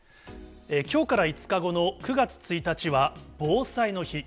きょうから５日後の９月１日は、防災の日。